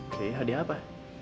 oke hadiah apa